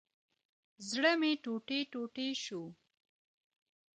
زړه مي ټوټي ټوټي شو